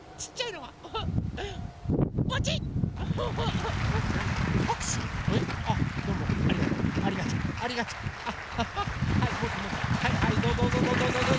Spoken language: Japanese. はいどうぞどうぞどうぞ！